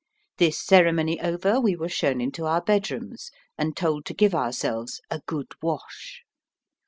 This ceremony over, we were shown into our bedrooms, and told to give ourselves "a good wash."